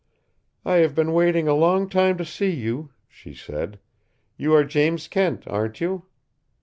"I have been waiting a long time to see you," she said. "You are James Kent, aren't you?"